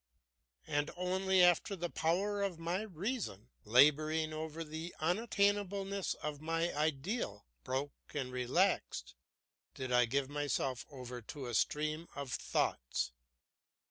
And only after the power of my reason, laboring over the unattainableness of my ideal, broke and relaxed, did I give myself over to a stream of thoughts.